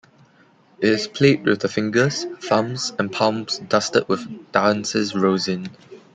It is played with the fingers, thumbs, and palms dusted with dancer's rosin.